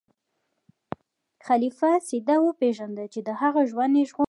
خلیفه سید وپیژنده چې د هغه ژوند یې ژغورلی و.